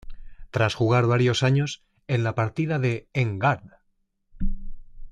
Tras jugar varios años en la partida de En Garde!